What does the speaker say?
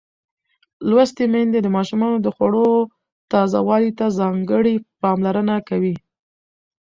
لوستې میندې د ماشومانو د خوړو تازه والي ته ځانګړې پاملرنه کوي.